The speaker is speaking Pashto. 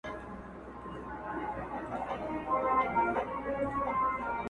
زه او ته یو په قانون له یوه کوره!